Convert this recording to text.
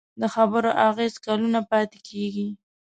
د خبرو اغېز کلونه پاتې کېږي.